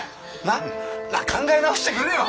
なあ考え直してくれよ。